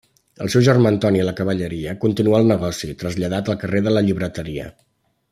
El seu germà Antoni Lacavalleria continuà el negoci, traslladat al carrer de la Llibreteria.